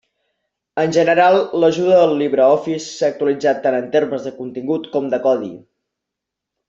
En general, l'ajuda del LibreOffice s'ha actualitzat tant en termes de contingut com de codi.